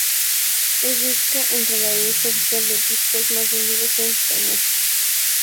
El disco entra en la lista oficial de discos más vendidos de Promusicae.